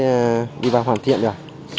rồi mới đi vào hoàn thiện rồi